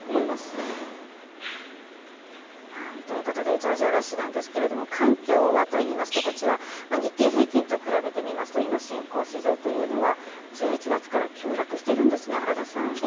上場ラッシュなんですけれども、環境はといいますと、日経平均と比べますと今、新興市場というのは１１月から急落しているんですね、原田さん。